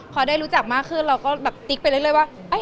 พอได้รู้จักมากขึ้นเราก็แบบติ๊กไปเรื่อยว่า